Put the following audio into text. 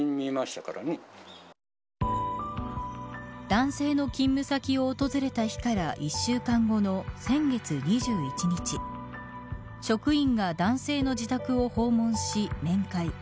男性の勤務先を訪れた日から１週間後の先月２１日職員が男性の自宅を訪問し面会。